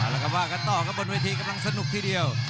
แล้วก็ว่ากันต่อครับบนเวทีกำลังสนุกทีเดียว